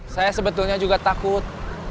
saya sebetulnya juga takut